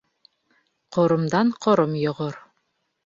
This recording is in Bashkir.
Ҡоромдан ҡором йоғор.